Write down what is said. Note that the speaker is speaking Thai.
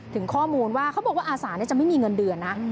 ถึงข้อมูลว่าเขาบอกว่าอาสาจะไม่มีเงินเดือนนะ